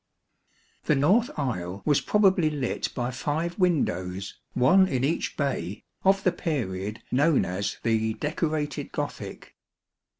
The north aisle was probably lit by five windows, one in each bay, of the period known as the " Decorated Gothic."